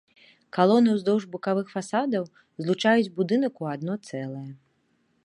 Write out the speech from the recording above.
Калоны ўздоўж бакавых фасадаў злучаюць будынак у адно цэлае.